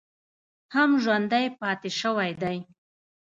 هم ژوندی پاتې شوی دی